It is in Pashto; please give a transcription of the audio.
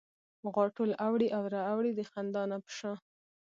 غاټول اوړي او را اوړي د خندا نه په شا